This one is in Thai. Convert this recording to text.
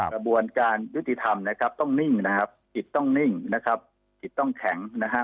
กระบวนการยุติธรรมนะครับต้องนิ่งนะครับจิตต้องนิ่งนะครับจิตต้องแข็งนะฮะ